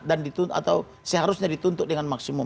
dituntut atau seharusnya dituntut dengan maksimum